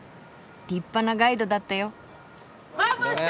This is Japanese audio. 立派なガイドだったよ。